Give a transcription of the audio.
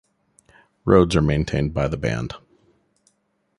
Roads are maintained by the band.